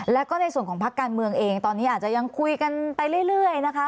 แล้วก็ในส่วนของพักการเมืองเองตอนนี้อาจจะยังคุยกันไปเรื่อยนะคะ